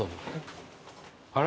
あれ？